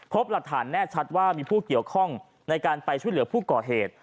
พบหลักฐานแน่ชัดว่ามีผู้เกี่ยวข้องในการไปช่วยเหลือผู้ก่อเหตุ